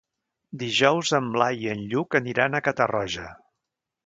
Dilluns en Blai i en Lluc aniran a Catarroja.